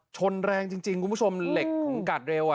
ชนแรงจริงคุณผู้ชมเหล็กของกาดเร็ว